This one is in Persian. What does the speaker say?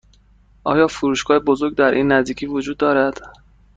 آیا فروشگاه بزرگ در این نزدیکی وجود دارد؟